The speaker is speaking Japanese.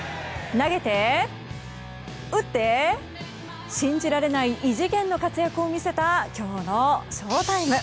投げて、打って信じられない異次元の活躍を見せたきょうのＳＨＯＴＩＭＥ。